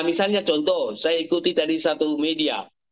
misalnya contoh saya ikuti dari satu media